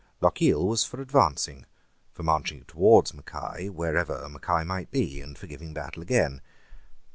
Lochiel was for advancing, for marching towards Mackay wherever Mackay might be, and for giving battle again.